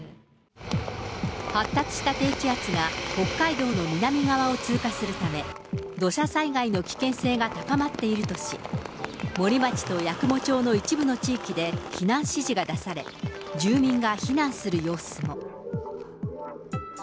発達した低気圧が北海道の南側を通過するため、土砂災害の危険性が高まっているとし、森町と八雲町の一部の地域で、避難指示が出され、住民が避難する様子も。